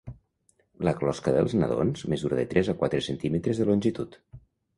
La closca dels nadons mesura de tres a quatre centímetres de longitud.